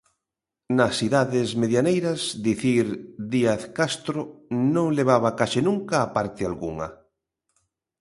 Nas idades medianeiras, dicir Díaz Castro non levaba case nunca a parte algunha.